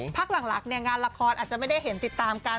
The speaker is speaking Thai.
พักหลังเนี่ยงานละครอาจจะไม่ได้เห็นติดตามกัน